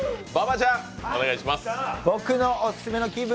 僕の「オススメの気分